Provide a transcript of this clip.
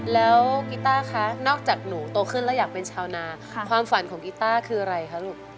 แล้วกีต้าคะนอกจากหนูโตขึ้นแล้วอยากเป็นชาวนาความฝันของกีต้าคืออะไรคะลูก